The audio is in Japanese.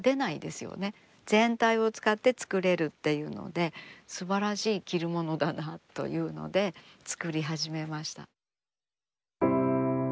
全体を使って作れるっていうのですばらしい着るものだなというので作り始めました。